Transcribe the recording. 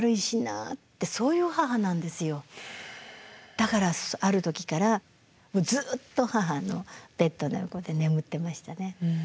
だからある時からずっと母のベッドの横で眠ってましたね。